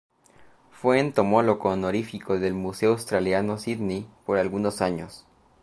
Fue entomólogo honorífico del Museo Australiano, Sídney, por algunos años.